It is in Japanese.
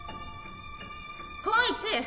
光一！